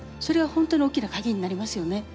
それは本当に大きなカギになりますよね。